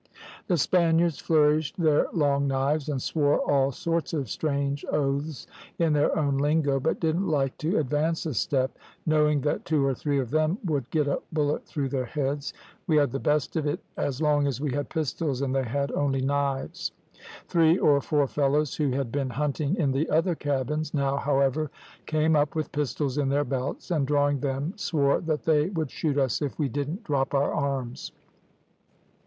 "The Spaniards flourished their long knives and swore all sorts of strange oaths in their own lingo, but didn't like to advance a step, knowing that two or three of them would get a bullet through their heads; we had the best of it as long as we had pistols and they had only knives. Three or four fellows who had been hunting in the other cabins, now, however, came up with pistols in their belts, and drawing them swore that they would shoot us if we didn't drop our arms.